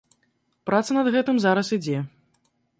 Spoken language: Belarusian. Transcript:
Праца над гэтым зараз ідзе.